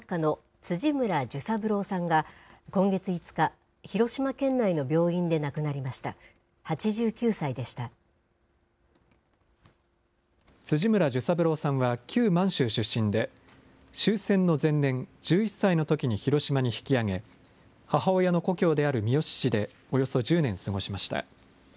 辻村寿三郎さんは旧満州出身で、終戦の前年、１１歳のときに広島に引き揚げ、母親の故郷である三次市でおよそ１０年過ごしました。